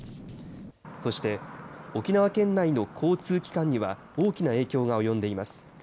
そして、沖縄県内の交通機関には大きな影響が及んでいます。